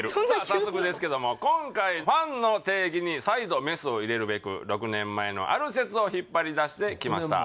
早速ですけども今回ファンの定義に再度メスを入れるべく６年前のある説を引っ張り出してきました